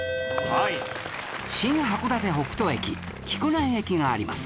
新函館北斗駅木古内駅があります